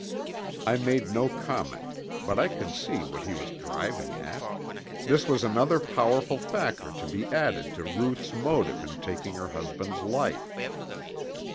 I made no comment, but I could see what he was driving at. This was another powerful factor to be added to Ruth's motive in taking her husband's life.